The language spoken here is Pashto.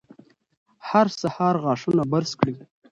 هر سهار غاښونه برس کړئ.